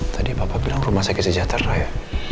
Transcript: tadi bapak bilang rumah sakit sejahtera ya